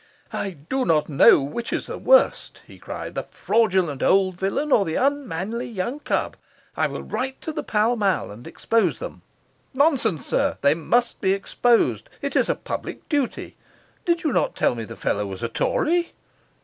'I do not know which is the worse,' he cried, 'the fraudulent old villain or the unmanly young cub. I will write to the Pall Mall and expose them. Nonsense, sir; they must be exposed! It's a public duty. Did you not tell me the fellow was a Tory?